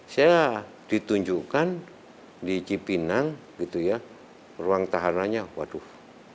saya ditunjukkan di cipinang gitu ya ruang tahanannya waduh